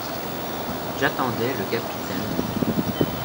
J’attendais le capitaine Nemo.